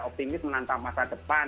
optimis menantang masa depan